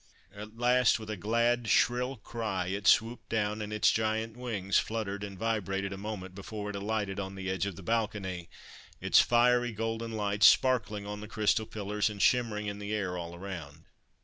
At last, with a glad, shrill cry, it swooped down, and its giant wings fluttered and vibrated a moment before it alighted on the edge of the balcony, its fiery golden light sparkling on the crystal pillars and shimmering in the air all around.